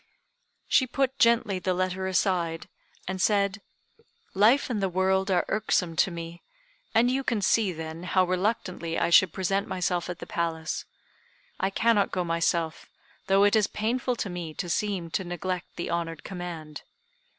She put gently the letter aside, and said, "Life and the world are irksome to me; and you can see, then, how reluctantly I should present myself at the Palace. I cannot go myself, though it is painful to me to seem to neglect the honored command.